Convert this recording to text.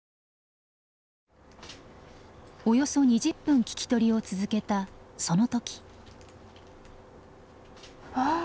およそ２０分聞き取りを続けたその時。